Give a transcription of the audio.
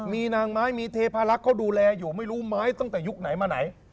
มีนางไม้มีเทพารักษ์เขาดูแลอยู่ไม่รู้ไม้ตั้งแต่ยุคไหนมาไหน